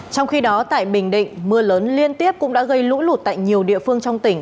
trong khi đó tại bình định mưa lớn liên tiếp cũng đã gây lũ lụt tại nhiều địa phương trong tỉnh